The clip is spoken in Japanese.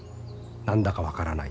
何だか分からない。